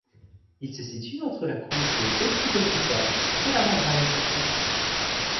Il se situe entre la couche de peptidoglycane et la membrane plasmique.